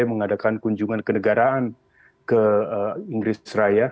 mengadakan kunjungan ke negaraan ke inggris raya